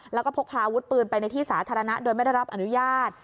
แล้วก็พกพาอาวุธปืนไปในที่สาธารณะโดยไม่ได้รับอนุญาต